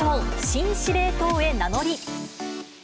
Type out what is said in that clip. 新司令塔へ名乗り。